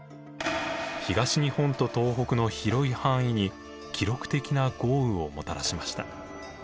東日本と東北の広い範囲に記録的な豪雨をもたらしました。